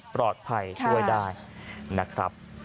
ปลอดภัยช่วยได้นะครับ